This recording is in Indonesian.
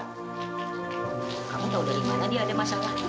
kamu tahu dari mana dia ada masakan